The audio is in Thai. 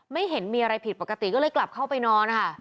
ไม่เห็นมีอะไรผิดปกติก็เลยกลับเข้าไปนอนค่ะ